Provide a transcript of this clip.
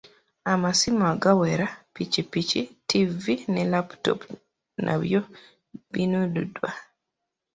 Amasimu agawera, ppikipiki, ttivi ne laputoopu nabyo binnunuddwa.